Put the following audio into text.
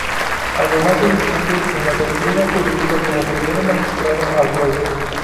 Además, se distingue en la doctrina jurídica como primer magistrado al Rey.